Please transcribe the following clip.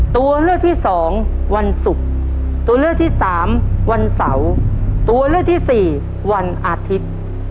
ขอตอบข้อ๓วันเสาร์ครับ